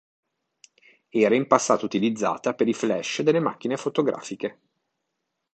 Era in passato utilizzata per i flash delle macchine fotografiche.